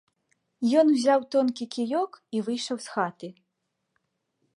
Ён узяў тонкі кіёк і выйшаў з хаты.